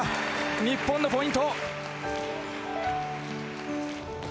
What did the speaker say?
日本のポイント。